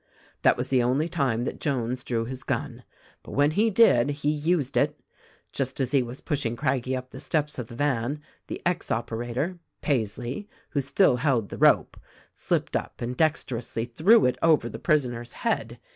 That was the only time that Jones drew his gun ; but when he did, he used it. Just as he was pushing Craggie up the steps of the van the ex operator, Paisley, who still held the rope, slipped up and dexterously threw it over the prisoner's head.